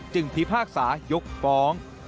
จึงพิพากษายกปอง